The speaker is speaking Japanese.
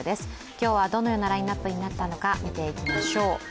今日はどのようなラインナップになったのか、見ていきましょう。